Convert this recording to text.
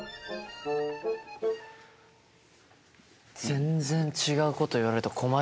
全然違うこと言われると困りますよね。